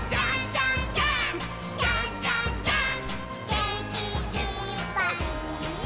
「げんきいっぱいもっと」